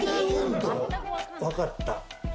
わかった。